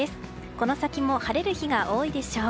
この先も晴れる日が多いでしょう。